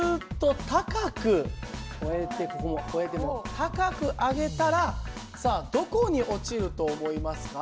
越えてここも越えて高く上げたらさあどこに落ちると思いますか？